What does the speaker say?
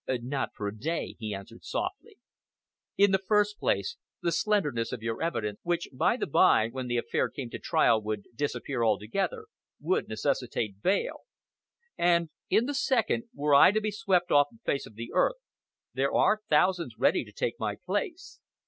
"Not for a day," he answered softly. "In the first place, the slenderness of your evidence, which, by the by, when the affair came to trial would disappear altogether, would necessitate bail; and, in the second, were I to be swept off the face of the earth, there are thousands ready to take my place.